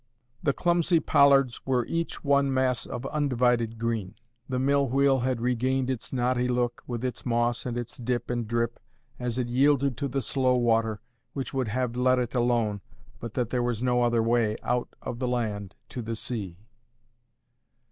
The clumsy pollards were each one mass of undivided green. The mill wheel had regained its knotty look, with its moss and its dip and drip, as it yielded to the slow water, which would have let it alone, but that there was no other way out of the land to the sea.